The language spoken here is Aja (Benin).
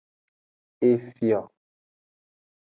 Efio.